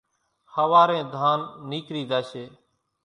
ۿوارين ڌانَ نيڪرِي زاشيَ۔